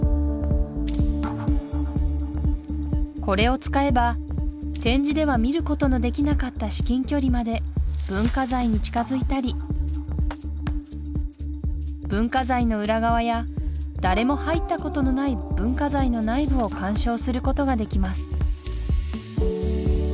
これを使えば展示では見ることのできなかった至近距離まで文化財に近づいたり文化財の裏側や誰も入ったことのない文化財の内部を鑑賞することができます